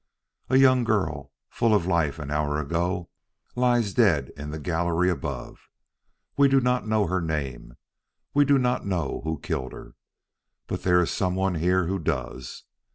A young girl, full of life an hour ago, lies dead in the gallery above. We do not know her name; we do not know who killed her. But there is some one here who does.